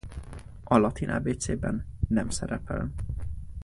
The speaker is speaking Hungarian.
A latin ábécében nem szerepel.